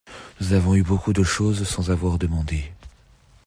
Nous avons eu beaucoup de choses sans avoir demandé.